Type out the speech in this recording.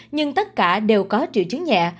nhưng tất cả đều có triệu chứng nhẹ